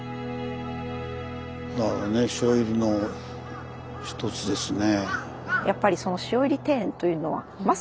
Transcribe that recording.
なるほどね潮入の一つですね。